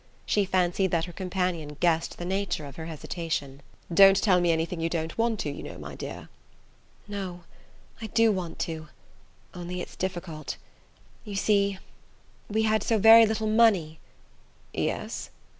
She fancied that her companion guessed the nature of her hesitation. "Don't tell me anything you don't want to, you know, my dear." "No; I do want to; only it's difficult. You see we had so very little money...." "Yes?"